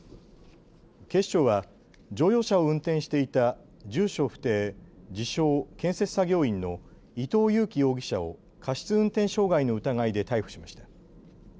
警視庁は乗用車を運転していた住所不定、自称・建設作業員の伊東祐貴容疑者を過失運転傷害の疑いで逮捕しました。